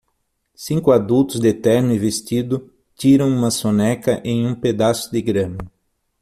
Cinco adultos de terno e vestido tiram uma soneca em um pedaço de grama.